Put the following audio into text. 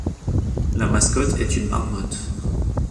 La mascotte est une marmotte.